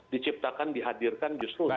diciptakan dihadirkan justru